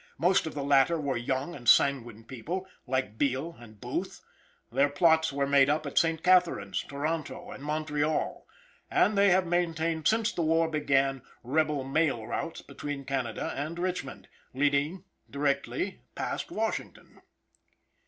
Most of the latter were young and sanguine people, like Beale and Booth; their plots were made up at St. Catharine's, Toronto, and Montreal, and they have maintained since the war began, rebel mail routes between Canada and Richmond, leading directly passed Washington.